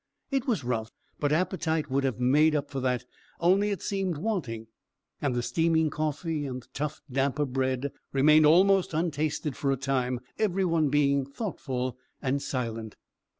It was rough; but appetite would have made up for that, only it seemed wanting, and the steaming coffee and tough damper bread remained almost untasted for a time, every one being thoughtful and silent.